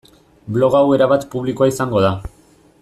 Blog hau erabat publikoa izango da.